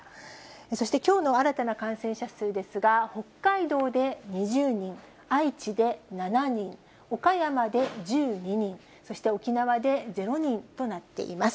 そして、きょうの新たな感染者数ですが、北海道で２０人、愛知で７人、岡山で１２人、そして沖縄で０人となっています。